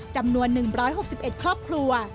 จำนวน๑๖๑ครอบครัว